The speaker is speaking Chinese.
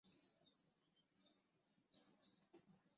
其名称来源于属于易洛魁联盟的奥农多加人。